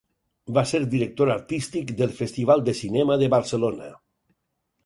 Va ser director artístic del Festival de Cinema de Barcelona.